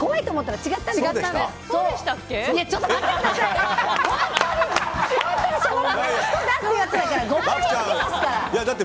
ねえ、ちょっと待って！